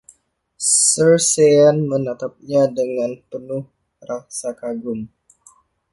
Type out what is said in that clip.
Sir Sean menatapnya dengan penuh rasa kagum.